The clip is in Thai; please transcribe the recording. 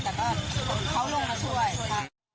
แต่ก็เขาลงมาช่วยค่ะ